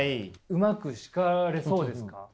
うまく叱れそうですか？